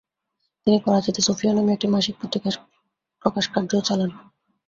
তিনি করাচিতে সোফিয়া নামে একটি মাসিক পত্রিকার প্রকাশ কার্যও চালান।